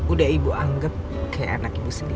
udah ibu anggap kayak anak ibu sendiri